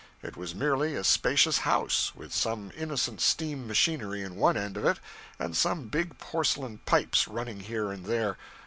It was merely a spacious house, with some innocent steam machinery in one end of it and some big porcelain pipes running here and there.